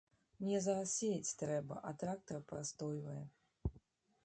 Мне зараз сеяць трэба, а трактар прастойвае.